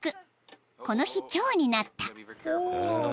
［この日チョウになった］